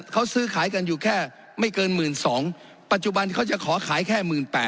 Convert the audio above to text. เขาซื้อขายกันอยู่แค่ไม่เกิน๑๒๐๐ปัจจุบันเขาจะขอขายแค่๑๘๐๐